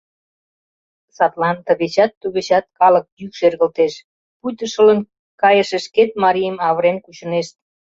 Садлан тывечат-тувечат калык йӱк шергылтеш, пуйто шылын кайыше шкет марийым авырен кучынешт.